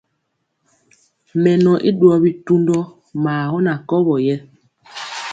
Mɛnɔ i ɗuwɔ bitundɔ maa gɔ na kɔwɔ yɛ.